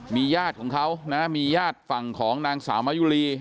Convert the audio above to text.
มีญาติของเขานะมีญาติฝั่งของนางสาวมายุรี